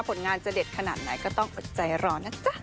ผลงานจะเด็ดขนาดไหนก็ต้องอดใจรอนะจ๊ะ